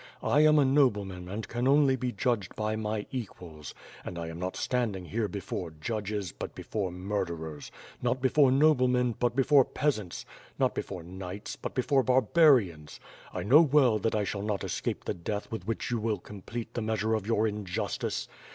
1 am a nobleman and can only be judged by my equals, and I am not standing here before judges, but before murderers; nor before noble men, but before peasants; not before knights, but before bar barians; I know well that I shall not escape the death with which you will complete the measure of your injustice.